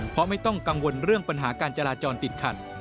เพราะไม่ต้องกังวลเรื่องปัญหาการจราจรติดขัด